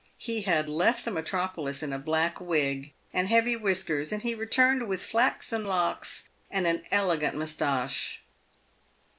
He had left the metropolis in a black wig and heavy whiskers, and he returned with flaxen locks and an elegant moustache.